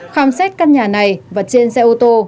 khám xét căn nhà này và trên xe ô tô